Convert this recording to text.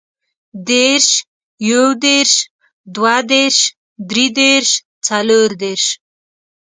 دېرش، يودېرش، دوهدېرش، دريدېرش، څلوردېرش